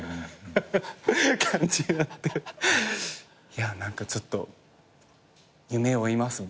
いや何かちょっと夢追いますみたいな。